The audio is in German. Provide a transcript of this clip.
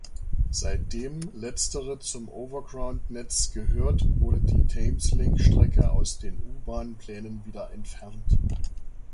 Seitdem letztere zum Overground-Netz gehört, wurde die Thameslink-Strecke aus den U-Bahn-Plänen wieder entfernt.